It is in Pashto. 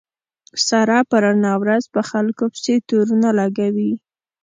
ساره په رڼا ورځ په خلکو پسې تورو نه لګوي.